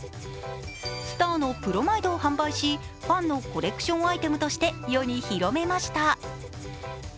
スターのプロマイドを販売し、ファンのコレクションアイテムとして世に広めました。